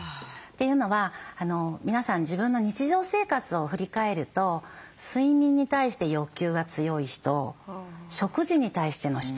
というのは皆さん自分の日常生活を振り返ると睡眠に対して欲求が強い人食事に対しての人